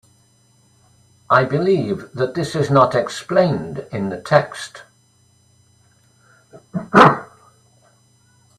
I believe that this is not explained in the text.